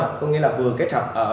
có nghĩa là vừa cái trạp ở